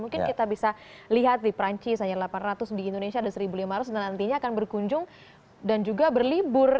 mungkin kita bisa lihat di perancis hanya delapan ratus di indonesia ada satu lima ratus dan nantinya akan berkunjung dan juga berlibur